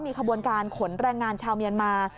ขบวนการขนแรงงานชาวเมียนมา